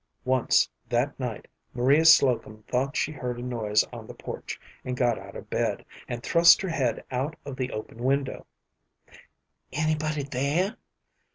Once that night Maria Slocum thought she heard a noise on the porch, and got out of bed, and thrust her head out of the open window. "Anybody there?"